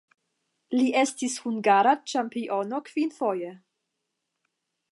Li estis hungara ĉampiono kvinfoje.